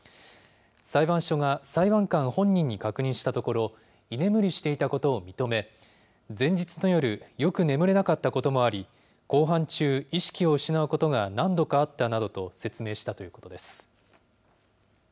裁判所が裁判官本人に確認したところ、居眠りしていたことを認め、前日の夜、よく眠れなかったこともあり、公判中、意識を失うことが何度かあったなどと説明したということです。